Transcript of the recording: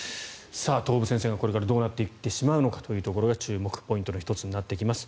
東部戦線がこれからどうなっていってしまうのかが注目するポイントの１つになってきます。